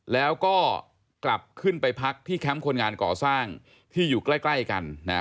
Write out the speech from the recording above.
แล้วก็กลับขึ้นไปพักที่แคมป์คนงานก่อสร้างที่อยู่ใกล้ใกล้กันนะฮะ